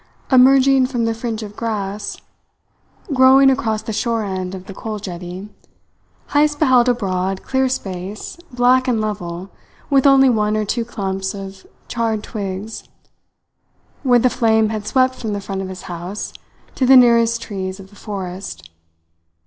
Emerging from the fringe of grass growing across the shore end of the coal jetty, Heyst beheld a broad, clear space, black and level, with only one or two clumps of charred twigs, where the flame had swept from the front of his house to the nearest trees of the forest.